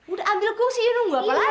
udah ambil kursi nunggu apa lagi